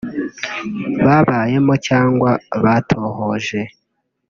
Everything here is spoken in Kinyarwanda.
babayemo cyangwa batohoje